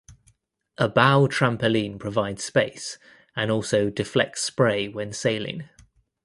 A bow trampoline provides space and also deflects spray when sailing.